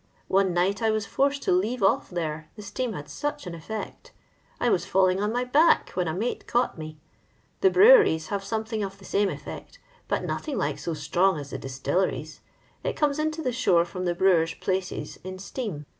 One night I was forced to leave off there, the atean m such an effect. I was falling on my bads, wha a mate caught me. The breweries have sane thing of the same effiect, but nothing like so stnig as the distilleries. It comes into the shore froa the brewers' places in steam.